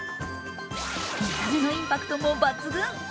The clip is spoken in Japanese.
見た目のインパクトも抜群。